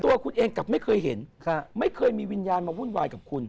ตัวคุณเองกลับไม่เคยเห็นไม่เคยมีวิญญาณมาวุ่นวายกับคุณ